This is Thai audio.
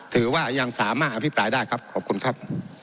ถือว่ายังสามารถอภิปรายได้ครับขอบคุณครับ